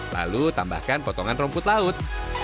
lalu tambahkan potongan rumput laut